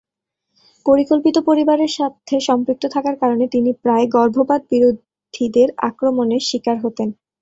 পরিকল্পিত পরিবারের সাথে সম্পৃক্ত থাকার কারণে তিনি প্রায়ই গর্ভপাত বিরোধীদের আক্রমনের শিকার হতেন।